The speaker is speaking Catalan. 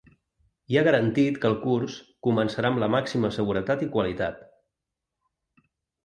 I ha garantit que el curs començarà amb ‘la màxima seguretat i qualitat’.